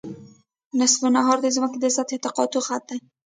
نصف النهار د ځمکې د سطحې د تقاطع خط دی